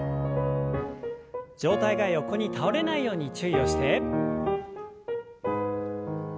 上体が横に倒れないように注意をして。